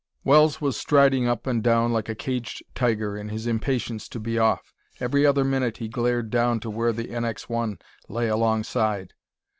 Wells was striding up and down like a caged tiger in his impatience to be off. Every other minute he glared down to where the NX 1 lay alongside.